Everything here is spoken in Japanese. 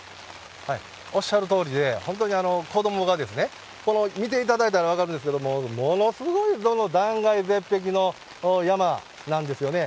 おっしゃるとおりで、本当に子どもがですね、この見ていただいたら分かるんですけれども、ものすごい断崖絶壁の山なんですよね。